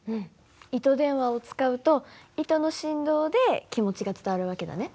糸電話を使うと糸の振動で気持ちが伝わる訳だね。